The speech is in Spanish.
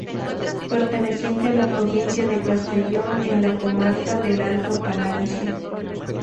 Perteneciente a la provincia de Castellón, en la comarca del Alto Palancia.